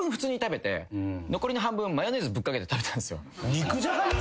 肉じゃがに？